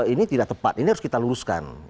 ini tidak tepat ini harus kita luruskan